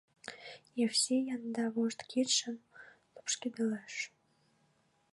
— Евсей янда вошт кидшым лупшкедылеш.